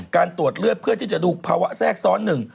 การตรวจเลือดเพื่อที่จะดูภาวะแทรกซ้อนหนึ่ง